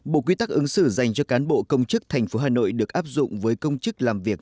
bộ quy tắc ứng xử dành cho cán bộ công chức tp hà nội được áp dụng với công chức làm việc